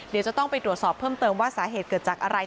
เดี๋ยวจะต้องไปตรวจสอบเพิ่มเติมว่าสาเหตุเกิดจากอะไร